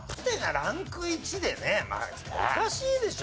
おかしいでしょ。